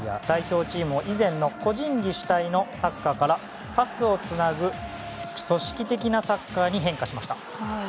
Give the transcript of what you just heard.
代表チームを以前の個人技主体のサッカーからパスをつなぐ組織的なサッカーに変化しました。